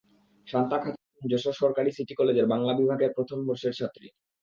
শান্তা খাতুন যশোর সরকারি সিটি কলেজের বাংলা বিভাগের প্রথম বর্ষের ছাত্রী।